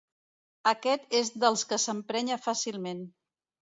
Aquest és dels que s'emprenya fàcilment.